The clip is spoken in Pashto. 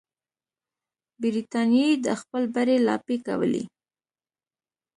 برټانیې د خپل بری لاپې کولې.